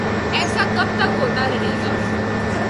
ایسا کب تک ہوتا رہے گا؟